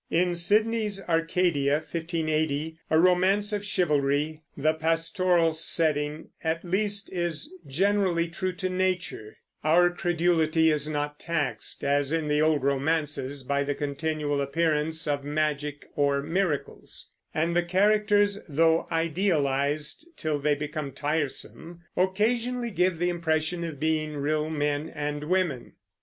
In Sidney's Arcadia (1580), a romance of chivalry, the pastoral setting at least is generally true to nature; our credulity is not taxed, as in the old romances, by the continual appearance of magic or miracles; and the characters, though idealized till they become tiresome, occasionally give the impression of being real men and women.